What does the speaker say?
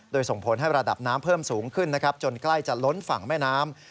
โดยส่งผลให้ระดับน้ำเพิ่มสูงขึ้นนะครับจนใกล้จะล้นฝั่งแม่น้ำ